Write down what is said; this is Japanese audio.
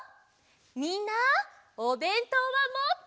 みんなおべんとうはもった？